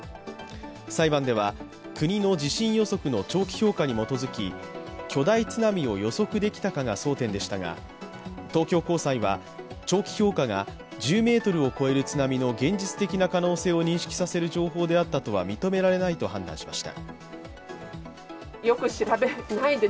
裁判では国の地震予測の長期評価に基づき巨大津波を予測できたかが争点でしたが、東京高裁は長期評価が１０ｍを超える津波の現実的な可能性を認識させる情報であったとは認められないと判断しました。